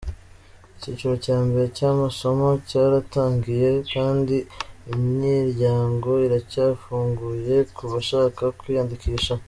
Icyiciro cya mbere cy’Amasomo cyaratangiye kandi imiryango iracyafunguye ku bashaka kwiyandikisha.